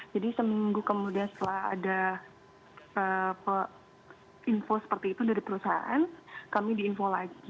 jadi seminggu kemudian setelah ada info seperti itu dari perusahaan kami di info lagi